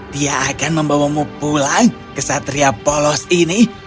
dia akan membawamu pulang ke satria polos ini